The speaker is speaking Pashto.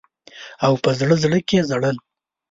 او په زړه زړه کي ژړل.